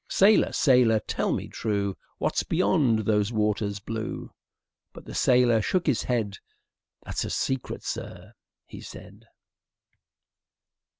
"Sailor, sailor, Tell me true, What's beyond Those waters blue?" But the sailor Shook his head; "That's a secret, Sir," he said.